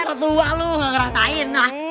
ah takut tuhan lo gak ngerasain ah